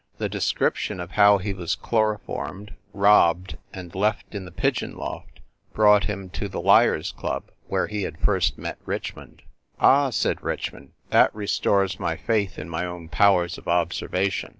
The description of how he was chloroformed, robbed, and left in the pigeon loft brought him to the Liars Club, where he had first met Richmond. "Ah," said Richmond, "that restores my faith in my own powers of observation.